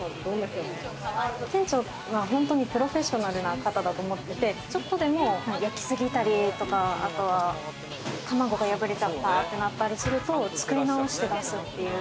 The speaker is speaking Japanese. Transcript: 店長は本当にプロフェッショナルな方だと思ってて、ちょっとでも焼きすぎたりとか卵は破れちゃったってなったりすると、作り直して出すっていう。